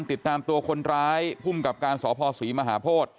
กลัวเหมือนหลึกกลัวลื่น